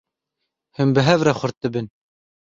Hûn bi hev re xurt dibin.